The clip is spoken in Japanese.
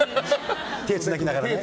手つなぎながらね。